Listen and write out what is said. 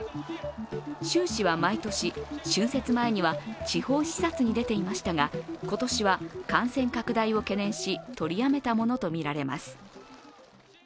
習氏は毎年、春節前には地方視察に出ていましたが今年は感染拡大を懸念し、取りやめたものとみられます。